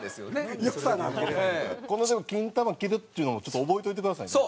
このキンタマ蹴るっていうのもちょっと覚えておいてくださいね。